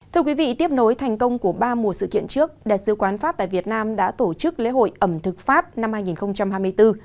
thưa quý vị tiếp nối thành công của ba mùa sự kiện trước đại sứ quán pháp tại việt nam đã tổ chức lễ hội ẩm thực pháp năm hai nghìn hai mươi bốn